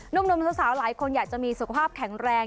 หนุ่มสาวหลายคนอยากจะมีสุขภาพแข็งแรง